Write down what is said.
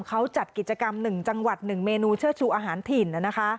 เขาจัดกิจกรรมหนึ่งจังหวัดหนึ่งเมนูเชื่อชูอาหารถิ่น